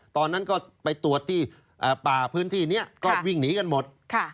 ตอนนั้นก็ไปตรวจที่ป่าพื้นที่นี้ก็วิ่งหนีกันหมด